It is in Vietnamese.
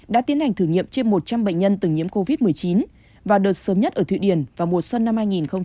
đã tiến hành thử nghiệm trên một trăm linh bệnh nhân từng nhiễm covid một mươi chín vào đợt sớm nhất ở thụy điển vào mùa xuân năm hai nghìn hai mươi